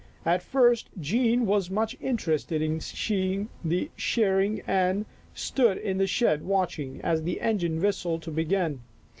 At first Jean was much interested in seeing the shearing and stood in the shed watching, as the engine whistled to begin.